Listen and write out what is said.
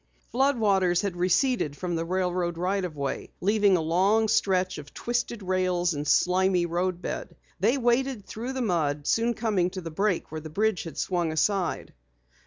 Flood waters had receded from the railroad right of way leaving a long stretch of twisted rails and slimey road bed. They waded through the mud, soon coming to the break where the bridge had swung aside.